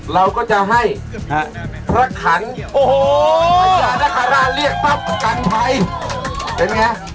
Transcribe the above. เราก็จะให้พระขันต์โอ้โหพระขันต์กันภัยเรียกตั๊บกันภัย